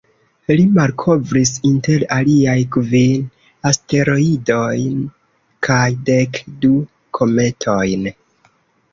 Li malkovris inter aliaj kvin asteroidojn kaj dek du kometojn.